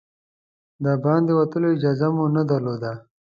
د باندې وتلو اجازه مو نه درلوده.